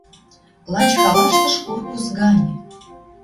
Лач халаштыш корпус гань